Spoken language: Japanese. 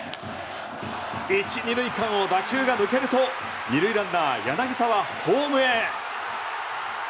１・２塁間を打球が抜けると２塁ランナー、柳田はホームへ。